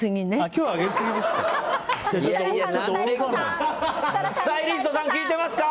今日、上げすぎですか。